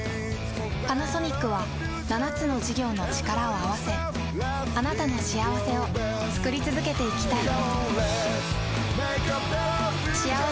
パナソニックは７つの事業のチカラを合わせあなたの幸せを作り続けていきたい。